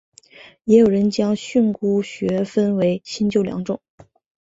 也有人将训诂学分为新旧两种。